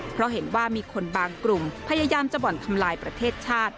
เพราะเห็นว่ามีคนบางกลุ่มพยายามจะบ่อนทำลายประเทศชาติ